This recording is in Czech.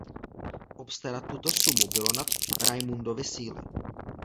Obstarat tuto sumu bylo nad Rajmundovy síly.